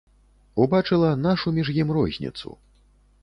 Убачыла нашу між ім розніцу.